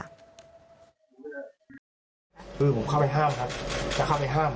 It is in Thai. คือผมเข้าไปห้ามครับจะเข้าไปห้าม